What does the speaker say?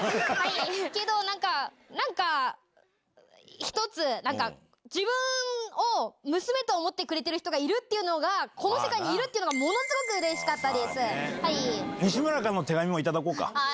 けど、なんか、なんか、一つ、自分を娘と思ってくれてる人がいるっていうのが、この世界にいるっていうのが、ものすごくうれしかったです、はいー。